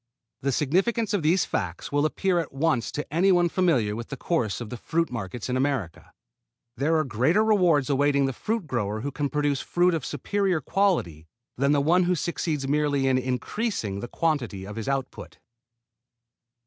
The significance of these facts will appear at once to any one familiar with the course of the fruit markets in America. There are greater rewards awaiting the fruit grower who can produce fruit of superior quality than the one who succeeds merely in increasing the quantity of his output.